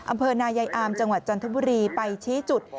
อำเภอนายายอามจังหวัดจันทบุรีไปชี้จุด